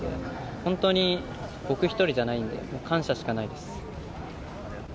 本当に僕１人だけじゃないので感謝しかないです。